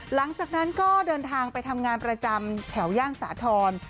หลังจากนั้นก็เดินทางไปทำงานประจำแถวย่านสาธรณ์